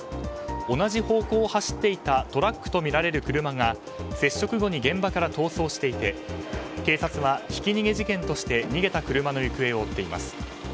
同じ方向を走っていたトラックとみられる車が接触後に現場から逃走していて警察はひき逃げ事件として逃げた車の行方を追っています。